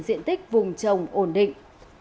diện tích vùng trồng ổn định